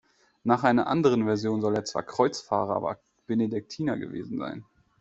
Nach einer anderen Version soll er zwar Kreuzfahrer, aber Benediktiner gewesen sein.